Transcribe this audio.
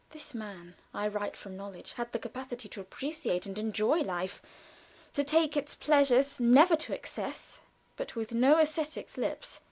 This man I write from knowledge had the capacity to appreciate and enjoy life to taste its pleasures never to excess, but with no ascetic's lips.